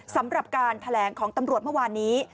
สำหรับการแถลงของตำรวจเมื่อวานนี้